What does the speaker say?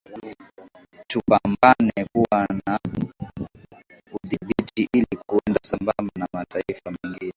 Tupambane kuwa na udhibiti ili kuenda sambamba na mataifa mengine